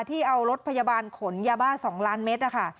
ที่เอารถพยาบาลขนยาบ้า๒ล้านเมตรนะคะ